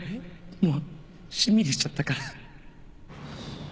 もうしんみりしちゃったから。